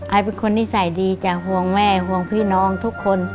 เป็นคนนิสัยดีจ้ะห่วงแม่ห่วงพี่น้องทุกคน